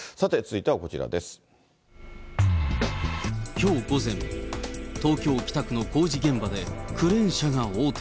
きょう午前、東京・北区の工事現場でクレーン車が横転。